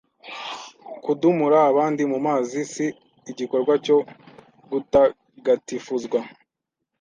Kudumura abandi mu mazi si igikorwa cyo gutagatifuzwa